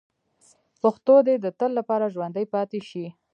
پښتو دې د تل لپاره ژوندۍ پاتې شي.